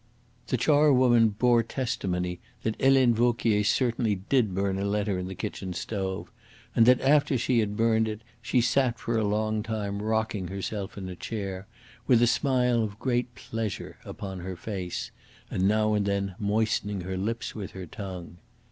The charwoman bore testimony that Helene Vauquier certainly did burn a letter in the kitchen stove, and that after she had burned it she sat for a long time rocking herself in a chair, with a smile of great pleasure upon her face, and now and then moistening her lips with her tongue.